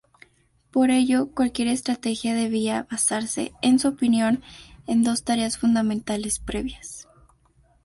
Por ello, cualquier estrategia debía basarse, en su opinión, en dos tareas fundamentales previas.